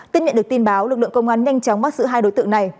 tin nhận được tin báo lực lượng công an nhanh chóng bắt giữ hai đối tượng này